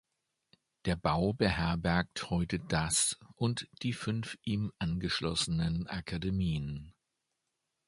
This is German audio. Der Bau beherbergt heute das und die fünf ihm angeschlossenen Akademien.